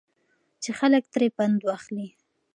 چې خلک ترې پند واخلي.